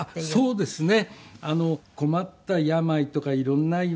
そうですね。